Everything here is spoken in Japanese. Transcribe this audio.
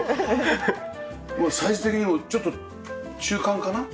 サイズ的にもちょっと中間かな？